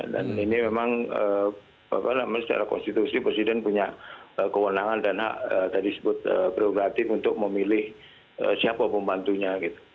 dan ini memang secara konstitusi presiden punya kewenangan dan hak tadi sebut berogatif untuk memilih siapa pembantunya